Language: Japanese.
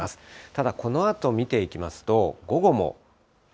ただ、このあと見ていきますと、午後も。